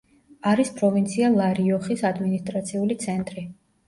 არის პროვინცია ლა-რიოხის ადმინისტრაციული ცენტრი.